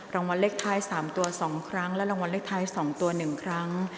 รางวัลเลขท้ายสามตัวสองครั้งและรางวัลเลขท้ายสองตัวหนึ่งครั้ง